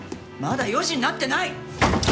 まだ４時になってない！